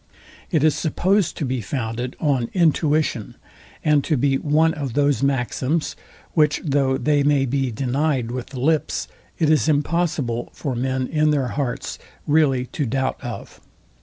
It is supposed to be founded on intuition, and to be one of those maxims, which though they may be denyed with the lips, it is impossible for men in their hearts really to doubt of.